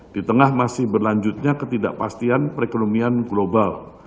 di tengah masih berlanjutnya ketidakpastian perekonomian global